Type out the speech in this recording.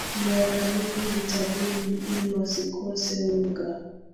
Miaka mingi vitabuni, ili wasikose unga,